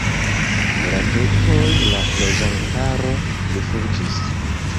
De la turkoj la loĝantaro rifuĝis.